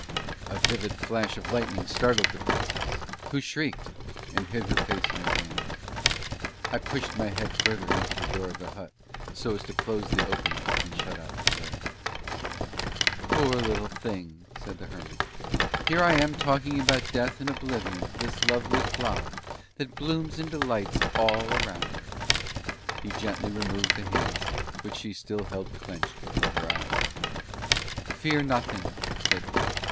A vivid flash of lightning startled the Princess, who shrieked, and hid her face in her hands. I pushed my head further into the door of the hut so as to close the opening and shut out the glare. "Poor little thing!" said the Hermit. "Here I am talking about death and oblivion to this lovely flower that blooms and delights all around her!" He gently removed the hands which she still held clenched before her eyes: "Fear nothing," said he.